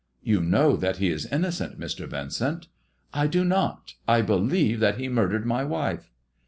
" You know that he is innocent, Mr. Vincent." " I do not I I believe that he murdered my wife."